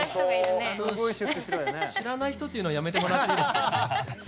知らない人っていうのはやめてもらっていいですか？